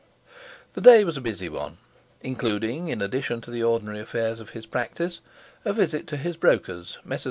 The day was a busy one, including, in addition to the ordinary affairs of his practice, a visit to his brokers, Messrs.